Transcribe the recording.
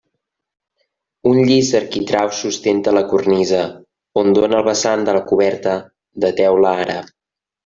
Un llis arquitrau sustenta la cornisa, on dóna el vessant de la coberta de teula àrab.